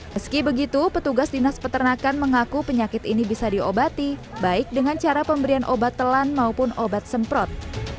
meski begitu petugas dinas peternakan mengaku penyakit ini bisa diobati baik dengan cara pemberian obat telan maupun obat semprot